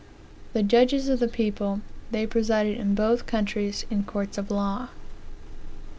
"The judges of the people, they presided in both countries in courts of law.